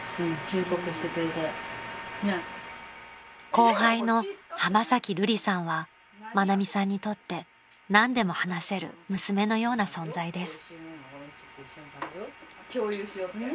［後輩の浜崎るりさんは愛美さんにとって何でも話せる娘のような存在です］